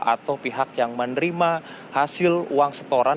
atau pihak yang menerima hasil uang setoran